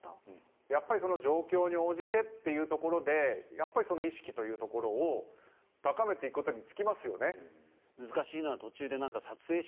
やっぱりその状況に応じてっていうところでやっぱりその意識というところを高めていくことに尽きますよね。